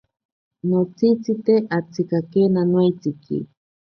Notsitsite atsikakena noeitsiki.